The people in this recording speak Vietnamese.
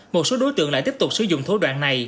một số đối tượng lại tiếp tục sử dụng thủ đoạn này